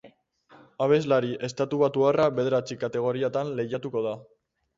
Abeslari estatubatuarra bederatzi kategoriatan lehiatuko da.